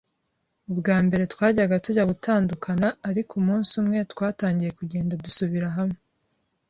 Ubwa mbere twajyaga tujya gutandukana, ariko umunsi umwe twatangiye kugenda dusubira hamwe.